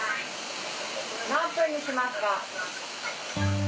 何分にしますか？